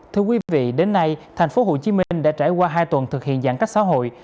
thưa quý vị đến nay thành phố hồ chí minh đã trải qua hai tuần thực hiện giãn cách xã hội